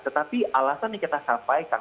tetapi alasan yang kita sampaikan